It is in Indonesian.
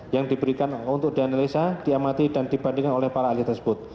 yang diberikan untuk dianalisa diamati dan dibandingkan oleh para ahli tersebut